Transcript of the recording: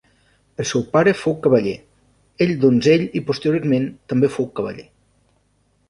El seu pare fou cavaller, ell donzell i posteriorment també fou cavaller.